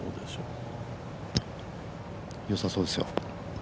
よさそうですよ。